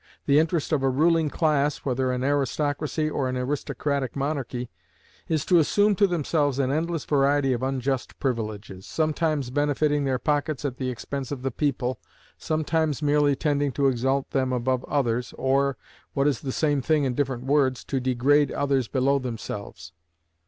The interest of a ruling class, whether in an aristocracy or an aristocratic monarchy, is to assume to themselves an endless variety of unjust privileges, sometimes benefiting their pockets at the expense of the people, sometimes merely tending to exalt them above others, or, what is the same thing in different words, to degrade others below themselves.